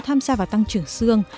tham gia vào tăng trưởng xương